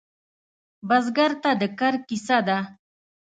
بزګر ته د کر کیسه ده